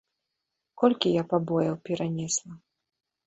Колькі я пабояў перанесла!